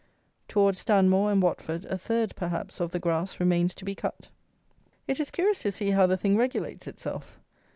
Towards Stanmore and Watford, a third, perhaps, of the grass remains to be cut. It is curious to see how the thing regulates itself.